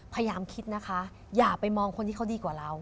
พยายามคิดนะคะอย่าไปมองคนที่เขาดีกว่าเรา